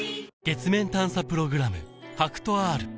月面探査プログラム